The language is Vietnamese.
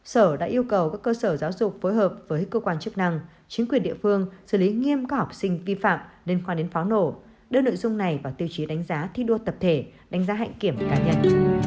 sở đã yêu cầu các cơ sở giáo dục phối hợp với cơ quan chức năng chính quyền địa phương xử lý nghiêm các học sinh vi phạm liên quan đến pháo nổ đưa nội dung này vào tiêu chí đánh giá thi đua tập thể đánh giá hạnh kiểm cá nhân